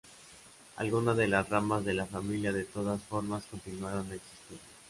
Algunas de las ramas de la familia de todas formas continuaron existiendo.